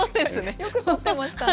よく撮ってましたね。